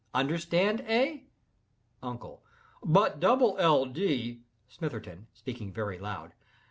Understand, eh?" UNCLE. "But Double L. Dee—" SMITHERTON. (Speaking very loud.)